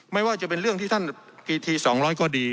ไม่ว่าจะเป็นเรื่องที่ท่านพีที๒๐๐ก็ดี